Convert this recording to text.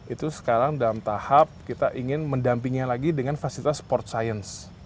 itu sekarang dalam tahap kita ingin mendampinginya lagi dengan fasilitas sport science